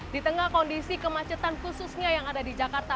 di tengah kondisi kemacetan khususnya yang ada di jakarta